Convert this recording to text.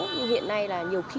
nhưng hiện nay là nhiều khí năng